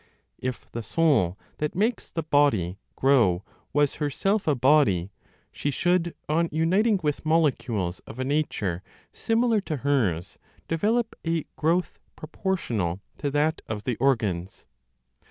If the soul that makes the body grow was herself a body, she should, on uniting with molecules of a nature similar to hers, develop a growth proportional to that of the organs.